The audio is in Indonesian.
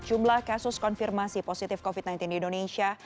jumlah kasus konfirmasi positif covid sembilan belas di indonesia